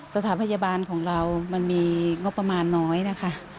สถานพยาบาลของเรามันมีงบประมาณน้อยนะคะ